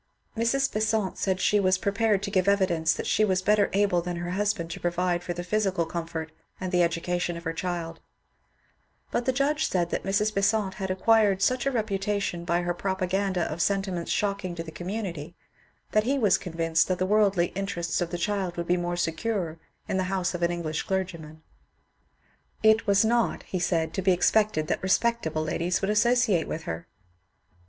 Mrs. Besant said she was prepared to give evidence that she was better able than her husband to provide for the physical comfort and the educa tion of her child ; but the judge said that Mrs. Besant had acquired such a reputation by her propaganda of sentiments shocking to the community that he was convinced that the worldly interests of the child would be more secure in the house of an English clergyman. It was not, he said, to be expected that respectable ladies would associate with her.